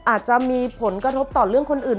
อาจจะมีผลกระทบต่อเรื่องคนอื่น